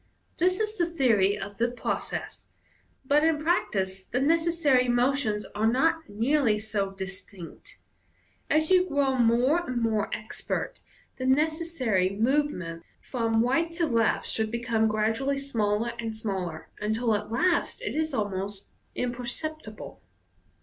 This is the theory of the process, but in practice tie necessary motions are not nearly so distinct. As you grow more and more expert, the necessary movement from right to left should become gradually smaller and smaller, until at last it is almost im? perceptible.